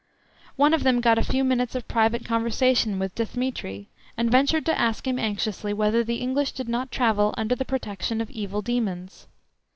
One of them got a few minutes of private conversation with Dthemetri, and ventured to ask him anxiously whether the English did not travel under the protection of evil demons.